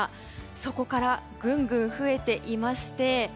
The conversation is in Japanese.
そこからぐんぐん増えていまして